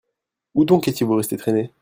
Où donc étiez-vous resté traîner ?